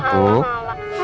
terima kasih pak